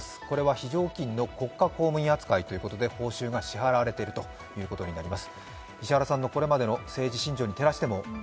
非常勤の国家公務員扱いということで報酬が支払われているということです。